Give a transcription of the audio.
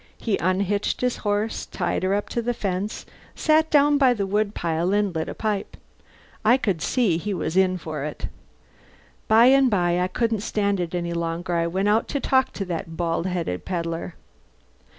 He unhitched his horse, tied her up to the fence, sat down by the wood pile, and lit a pipe. I could see I was in for it. By and by I couldn't stand it any longer. I went out to talk to that bald headed pedlar.